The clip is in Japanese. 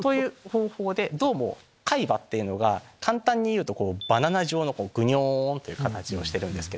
どうも海馬っていうのが簡単にいうとバナナ状のぐにょんっていう形をしてるんです。